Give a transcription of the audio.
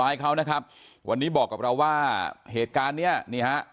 ให้เขานะครับวันนี้บอกกับเราว่าเหตุการณ์เนี้ยนี่ฮะ